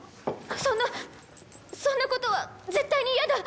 そんなそんなことは絶対に嫌だ！